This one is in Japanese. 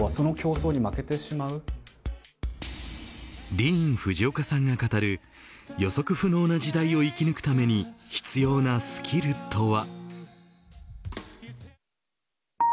ディーン・フジオカさんが語る予測不能な時代を生き抜くために必要なスキルとは。